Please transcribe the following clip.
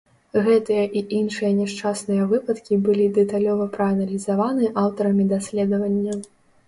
Гэтыя і іншыя няшчасныя выпадкі былі дэталёва прааналізаваны аўтарамі даследавання.